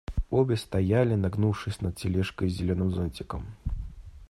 Обе стояли, нагнувшись над тележкой с зеленым зонтиком.